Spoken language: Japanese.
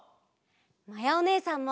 まやおねえさんも！